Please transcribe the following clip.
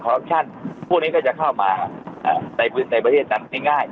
คอรรับชั่นพวกนี้ก็จะเข้ามาเอ่อในในประเทศนั้นง่ายง่าย